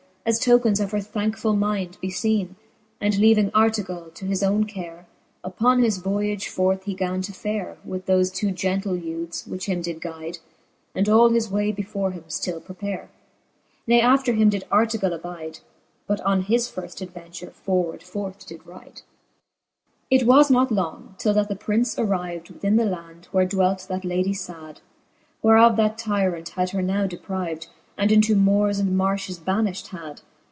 As tokens of her thankefull mind befeene, And leaving Artegall to his owne care ; Uppon his voyage forth he gan to fare, With thofe two gentle youthes, which him did guide, And all his way before him ftill prepare. Ne after him did Artegall abide. But on his firft adventure forward forth did ride. XVIII. It 158 n:he fifth Booke of Canto X. XVIII. It was not long, till that the Prince arrived Within the land, where dwelt that ladie fad, Whereof that tyrant had her now deprived. And into moores and marfhes baniflit had.